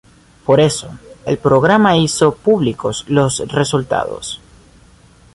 Por eso, el programa hizo públicos los resultados.